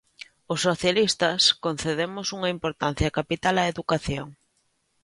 Os socialistas concedemos unha importancia capital á educación.